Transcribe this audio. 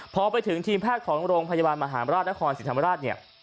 พอไปถึงทีมแพทย์ของโรงพยาบาลมหาราชนครศรีธรรมราชเนี่ย